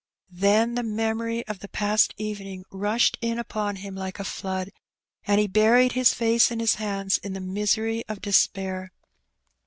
Then the memory of. the past evening rushed in upon him like a flood, and he buried his fiice in his hands in the misery of despair.